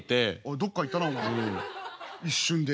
どっか行ったなお前一瞬で。